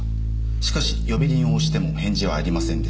「しかし呼び鈴を押しても返事はありませんでした」